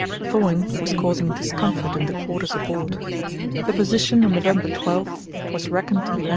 Thawing was causing discomfort in the quarters aboard. The position on November 12 was reckoned to be lat.